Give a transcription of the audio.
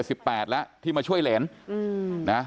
อายุ๗๘แล้วที่มาช่วยเหรียญนะ